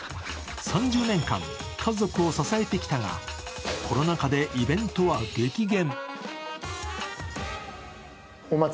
３０年間、家族を支えてきたが、コロナ禍でイベントは激減。